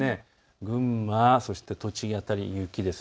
群馬、そして栃木辺りも雪です。